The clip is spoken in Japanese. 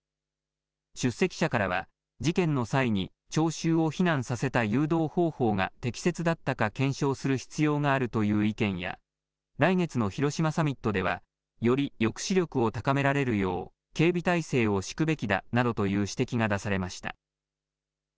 出席者からは、事件の際に聴衆を避難させた誘導方法が適切だったか検証する必要があるという意見や、来月の広島サミットでは、より抑止力を高められるよう、警備体制を敷くべきだなどという指摘が出されました。